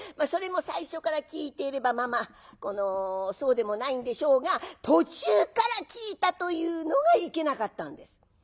それも最初から聞いていればまあまあそうでもないんでしょうが途中から聞いたというのがいけなかったんです。